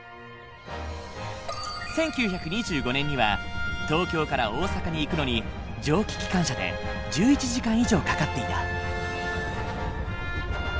１９２５年には東京から大阪に行くのに蒸気機関車で１１時間以上かかっていた。